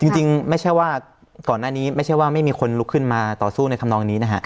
จริงก่อนหน้านี้ไม่ใช่ว่าไม่มีคนลุกขึ้นมาต่อสู้ในคำนองนี้